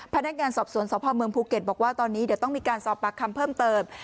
พนักงานสอบสวนสพเมืองภูเก็ตบอกว่าตอนนี้เดี๋ยวต้องมีการสอบปากคำเพิ่มเติม